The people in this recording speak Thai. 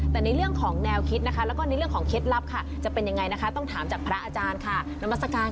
แต่ในเรื่องของแนวคิดนะคะแล้วก็ในเรื่องของเคล็ดลับค่ะจะเป็นยังไงนะคะต้องถามจากพระอาจารย์ค่ะนามัศกาล